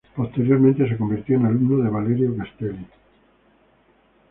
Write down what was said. Posteriormente se convirtió en alumno de Valerio Castelli.